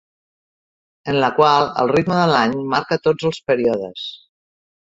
...en la qual el ritme de l’any marca tots els períodes.